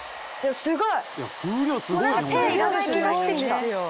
すごい。